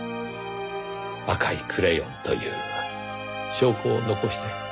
赤いクレヨンという証拠を残して。